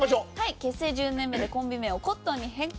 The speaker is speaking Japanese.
結成１０年目でコンビ名をコットンに変更。